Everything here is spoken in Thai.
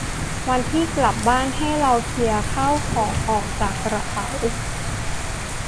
วันที่กลับบ้านให้เราเคลียร์ข้าวของออกจากกระเป๋า